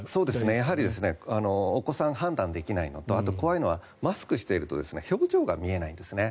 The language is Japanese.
やはりお子さんは判断ができないのとあと怖いのは、マスクしていると表情が見えないんですね。